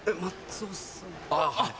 あぁはい。